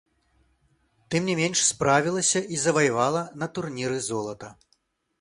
Тым не менш справілася і заваявала на турніры золата.